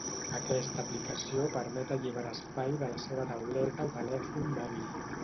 Aquesta aplicació permet alliberar espai de la seva tauleta o telèfon mòbil.